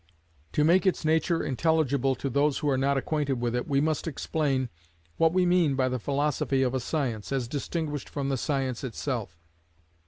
To make its nature intelligible to those who are not acquainted with it, we must explain what we mean by the philosophy of a science, as distinguished from the science itself.